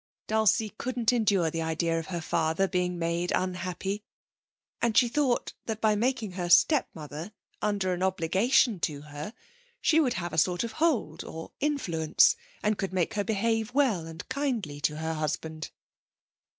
Dulcie couldn't endure the idea of her father being made unhappy, and she thought that by making her stepmother under an obligation to her, she would have a sort of hold or influence and could make her behave well and kindly to her husband.